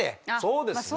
そうですね。